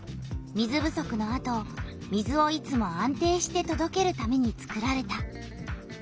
水不足のあと水をいつも安定してとどけるためにつくられた。